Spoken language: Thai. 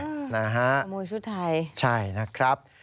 ขโมยชุดไทยใช่นะครับขโมยชุดไทย